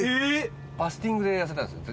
ファスティングで痩せたんですよ